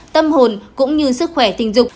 tâm hồn cũng như sức khỏe tình dục